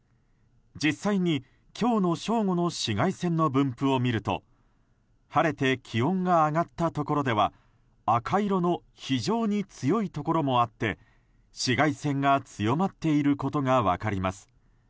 実際に今日の正午の紫外線の分布を見ると晴れて気温が上がったところでは赤色の非常に強いところもあって紫外線が強まっていることが分かります。